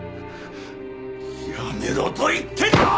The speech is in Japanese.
やめろと言ってるだろ！